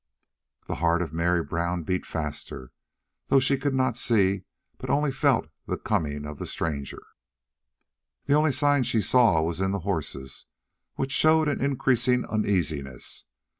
The heart of Mary Brown beat faster, though she could not see, but only felt the coming of the stranger. The only sign she saw was in the horses, which showed an increasing uneasiness.